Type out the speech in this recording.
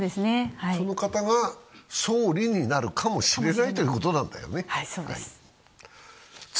その方が総理になるかもしれないということなんだよね。